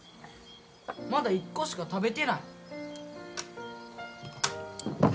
まだ１個しか食べてない。